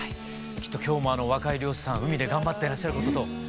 きっと今日も若い漁師さん海で頑張ってらっしゃることと思いますね。